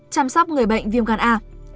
chăm sóc người bệnh viêm gan a